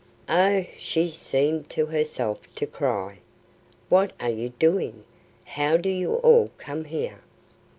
"Oh!" she seemed to herself to cry, "what are you doing? how do you all come here?"